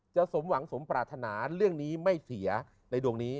สมหวังสมปรารถนาเรื่องนี้ไม่เสียในดวงนี้